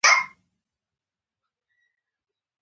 په دې لګښتونو کې پوښاک او استراحت هم شامل دي